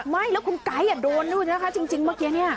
ไม่แล้วคุณไก๊โดนด้วยนะคะจริงเมื่อกี้เนี่ย